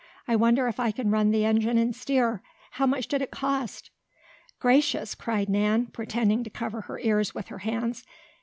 I wonder if I can run the engine and steer? How much did it cost?" "Gracious!" cried Nan, pretending to cover her ears with her hands.